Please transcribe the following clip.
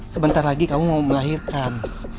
sebentar lagi kamu mau melahirkan